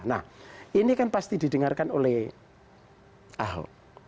nah ini kan pasti didengarkan oleh ahok